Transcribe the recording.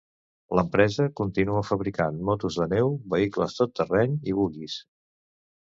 L'empresa continua fabricant motos de neu, vehicles tot terreny i buguis.